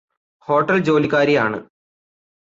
hotel ജോലിക്കാരിയാണ്